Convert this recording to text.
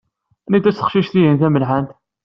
Anita taqcict-ihin tamelḥant?